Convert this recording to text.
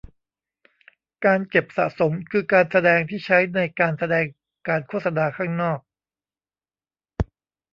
การเก็บสะสมคือการแสดงที่ใช้ในการแสดงการโฆษณาข้างนอก